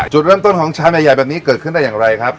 จุดเริ่มต้นของชามใหญ่แบบนี้เกิดขึ้นได้อย่างไรครับ